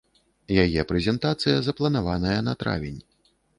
Яе прэзентацыя запланаваная на травень.